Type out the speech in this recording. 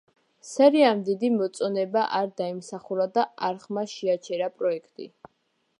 სერიამ დიდი მოწონება არ დაიმსახურა და არხმა შეაჩერა პროექტი.